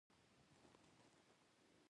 شتمن خلک ګروۍ پورونه لري.